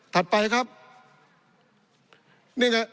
ถัดไปครับนี่ไง